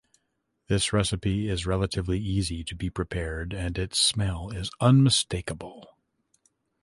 This recipe is relatively easy to be prepared and its smell is unmistakable.